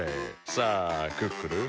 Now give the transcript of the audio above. さあクックルン。